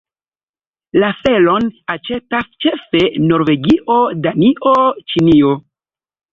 La felon aĉetas ĉefe Norvegio, Danio, Ĉinio.